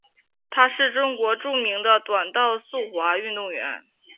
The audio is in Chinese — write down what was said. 她是中国著名的短道速滑运动员。